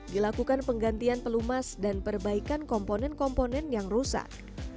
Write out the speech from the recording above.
dilakukan penggantian pelumas dan perbaikan komponen komponen yang rusak